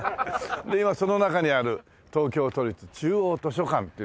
で今その中にある東京都立中央図書館という所なんです。